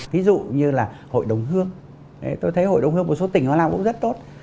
ví dụ như là hội đồng hương tôi thấy hội đồng hương một số tỉnh họ lao cũng rất tốt